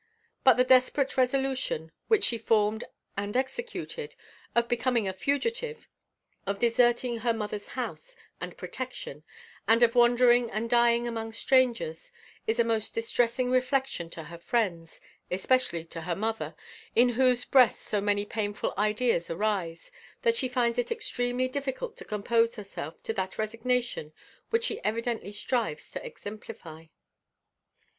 But the desperate resolution, which she formed and executed, of becoming a fugitive, of deserting her mother's house and protection, and of wandering and dying among strangers, is a most distressing reflection to her friends; especially to her mother, in whose breast so many painful ideas arise, that she finds it extremely difficult to compose herself to that resignation which she evidently strives to exemplify.